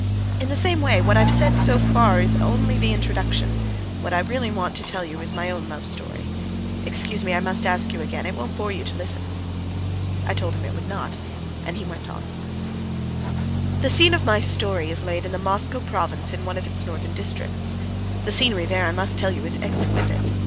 In the same way what I've said so far is only the introduction; what I really want to tell you is my own love story. Excuse me, I must ask you again; it won't bore you to listen?" I told him it would not, and he went on: The scene of my story is laid in the Moscow province in one of its northern districts. The scenery there, I must tell you, is exquisite.